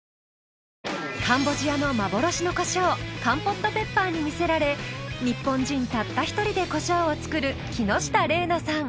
カンボジアの幻のコショウカンポットペッパーに魅せられ日本人たった１人でコショウを作る木下澪那さん。